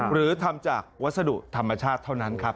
หรือทำจากวัสดุธรรมชาติเท่านั้นครับ